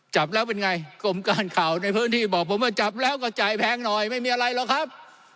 จับแล้วเป็นไงกรมการข่าวในพื้นที่บอกผมว่าจับแล้วก็จ่ายแพงหน่อยไม่มีอะไรหรอกครับ